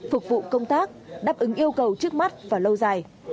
phục vụ công tác đáp ứng yêu cầu trước mắt và lâu dài